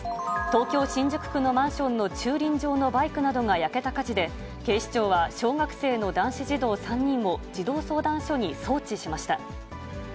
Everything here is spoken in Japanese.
東京・新宿区のマンションの駐輪場のバイクなどが焼けた火事で、警視庁は小学生の男子児童３人を児童相談所に送致しました。